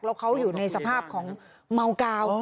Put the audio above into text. แล้วเขาอยู่ในสภาพของเมากาว